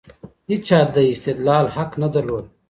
هيچا د استدلال حق نه درلود.